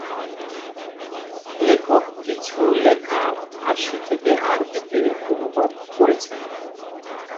লেখক কিছু লেখা ফারসি থেকে আরবীতে অনুবাদ করেছেন।